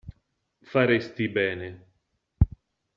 Faresti bene.